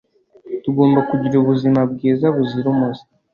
Tugomba kugira ubuzima bwiza buzira umuze